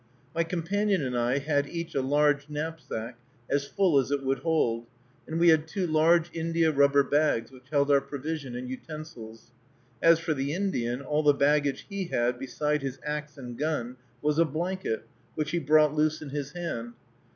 My companion and I had each a large knapsack as full as it would hold, and we had two large india rubber bags which held our provision and utensils. As for the Indian, all the baggage he had, beside his axe and gun, was a blanket, which he brought loose in his hand.